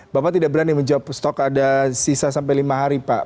bapak tidak berani menjawab stok ada sisa sampai lima hari pak